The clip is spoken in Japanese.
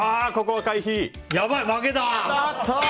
やばい、負けた。